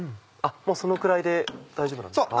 もうそのくらいで大丈夫なんですか？